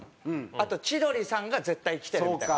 あと千鳥さんが絶対来てるみたいな。